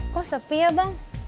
kok sepi ya bang